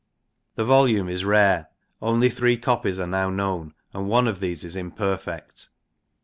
The volume is rare ; only three copies are now known, and one of these is imperfect.